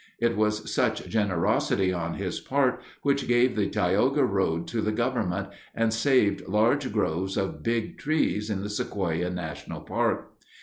It was such generosity on his part which gave the Tioga Road to the government and saved large groves of Big Trees in the Sequoia National Park.